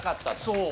そう。